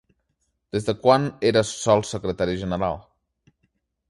Des de quan era Sol secretari general?